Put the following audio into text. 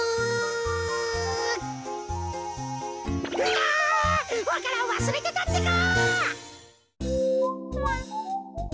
わか蘭わすれてたってか！